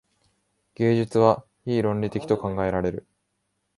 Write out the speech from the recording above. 芸術は非論理的と考えられる。